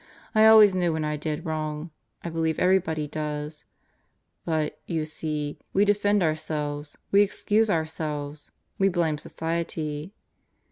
I always knew when I did wrong. I believe everybody does. But, you see, we defend ourselves; we excuse ourselves. We blame Society."